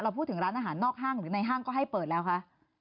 พูดถึงร้านอาหารนอกห้างหรือในห้างก็ให้เปิดแล้วคะ